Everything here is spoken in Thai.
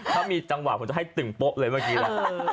ถ้ามีจังหวะผมจะให้ตึงโป๊ะเลยเมื่อกี้ล่ะ